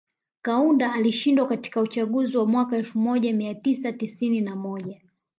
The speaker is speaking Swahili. Kaunda alishindwa katika uchaguzi wa mwaka elfu moja mia tisa tisini na moja